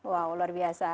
wow luar biasa